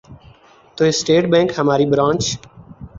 تو state bank ہماری branch